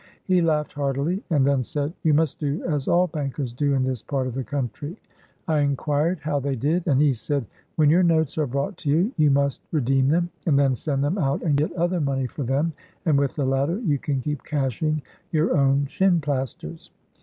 He laughed heartily, and then said, ' You must do as all bankers do in this part of the country. 7 I inquired how they did, and he said, 'When your notes are brought to you, you must re deem them, and then send them out and get other money for them, and with the latter you can keep cashing your own shin plasters.'